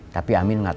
tapi amin gak tau